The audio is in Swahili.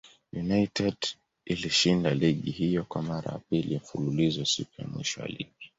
United ilishinda ligi hiyo kwa mara ya pili mfululizo siku ya mwisho ya ligi.